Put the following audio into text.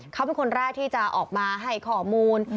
เขาเป็นคนแรกที่จะออกมาให้ข้อมูล